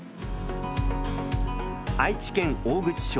愛知県大口町。